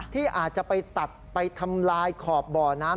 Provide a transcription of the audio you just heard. ที่อาจจะไปตัดไปทำลายขอบบ่อน้ำ